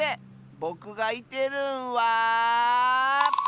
ぼくがいてるんは。